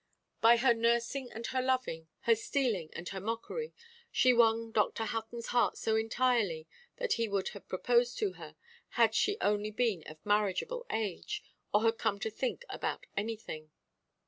By her nursing and her loving, her stealing and her mockery, she won Dr. Huttonʼs heart so entirely that he would have proposed to her, had she only been of marriageable age, or had come to think about anything.